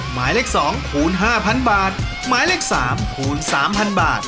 หมายเลข๒คูณ๕๐๐๐บาท